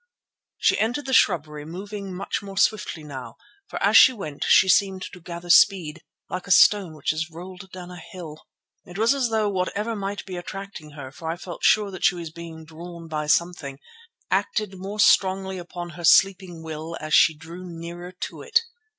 She entered the shrubbery, moving much more swiftly now, for as she went she seemed to gather speed, like a stone which is rolled down a hill. It was as though whatever might be attracting her, for I felt sure that she was being drawn by something, acted more strongly upon her sleeping will as she drew nearer to it.